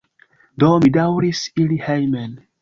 Do, mi daŭris iri hejmen.